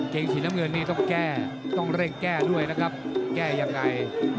งสีน้ำเงินนี่ต้องแก้ต้องเร่งแก้ด้วยนะครับแก้ยังไง